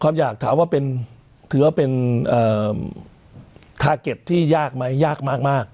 ความอยากถามว่าเป็นถือว่าเป็นเอ่อทาร์เก็ตที่ยากไหมยากมากมาก